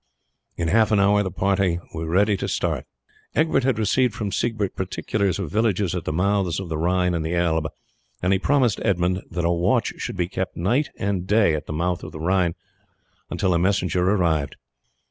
In half an hour the party were ready to start. Egbert had received from Siegbert particulars of villages at the mouths of the Rhine and Elbe, and he promised Edmund that a watch should be kept night and day at the mouth of the Rhine until a messenger arrived.